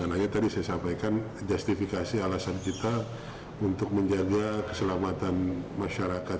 hai soalnya tadi saya sampaikan justifikasi alasan kita untuk menjaga keselamatan masyarakat